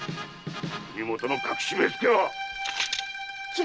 国許の隠し目付は⁉斬り